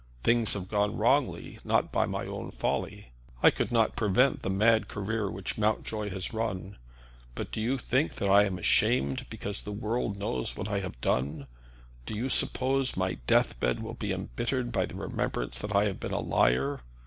Things have gone wrongly not by my own folly. I could not prevent the mad career which Mountjoy has run; but do you think that I am ashamed because the world knows what I have done? Do you suppose my death bed will be embittered by the remembrance that I have been a liar?